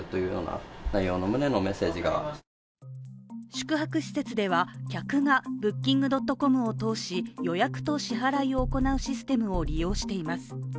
宿泊施設では客がブッキングドットコムを通し予約と支払いを行うシステムを利用しています。